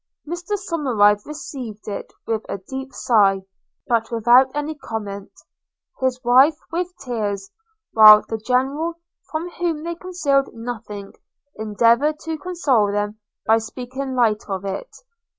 Mr. Somerive received it with a deep sigh, but without any comment; his wife with tears; while the General, from whom they concealed nothing, endeavoured to console them by speaking light of it.